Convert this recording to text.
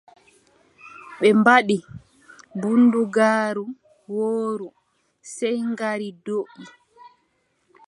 Ɓe mbaɗi bundugaaru wooru sey ngaari doʼi.